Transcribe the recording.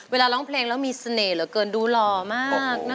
เวลาร้องเพลงแล้วมีเสน่ห์เหลือเกินดูหรอมากนะคะ